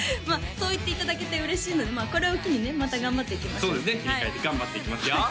そう言っていただけて嬉しいのでこれを機にねまた頑張っていきましょう頑張っていきますよ！